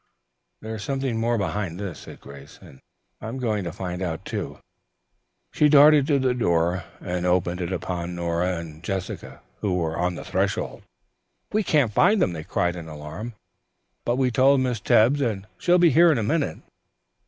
"There is something more behind this," said Grace, "and I'm going to find out, too." She darted to the door and opened it upon Nora and Jessica, who were on the threshold. "We can't find them," they cried in alarm, "but we told Miss Tebbs and she'll be here in a minute."